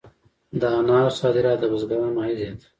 د انارو صادرات د بزګرانو عاید زیاتوي.